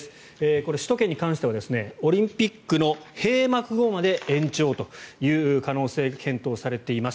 これ、首都圏に関してはオリンピックの閉幕後まで延長という可能性が検討されています。